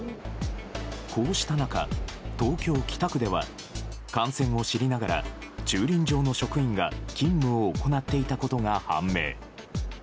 こうした中、東京・北区では感染を知りながら駐輪場の職員が勤務を行っていたことが判明。